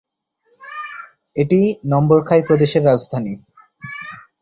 এটি নম্বর খাই প্রদেশের রাজধানী।